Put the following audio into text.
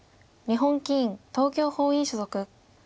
日本棋院東京本院所属。